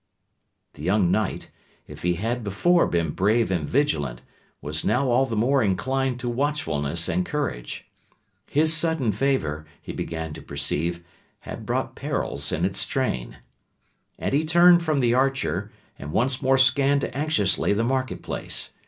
The young knight, if he had before been brave and vigilant, was now all the more inclined to watchfulness and courage. His sudden favour, he began to perceive, had brought perils in its train. And he turned from the archer, and once more scanned anxiously the market place.